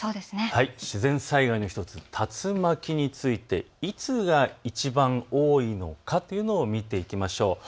自然災害の１つ、竜巻についていつがいちばん多いのかというのを見ていきましょう。